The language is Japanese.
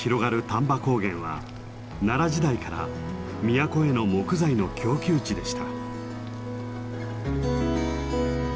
丹波高原は奈良時代から都への木材の供給地でした。